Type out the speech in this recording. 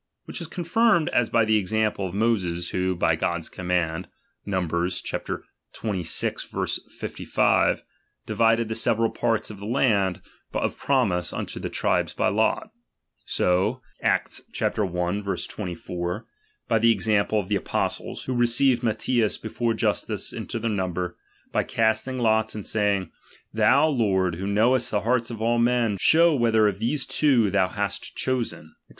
Which is confirmed, as by the I example of Moses who, by God's command (Numb, xxvi. 55), divided the several parts of the land of promise unto the tribes by lot : so (Acts i. 24) by the example of the Apostles, who received Matthias before Justus into their number, by casting lots, and saying, Thou, Lord, who knowest the hearts of all men, show whether of these two thou hast chosen, &c.